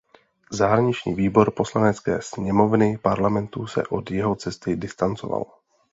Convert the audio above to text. Zahraniční výbor Poslanecké sněmovny Parlamentu se od jeho cesty distancoval.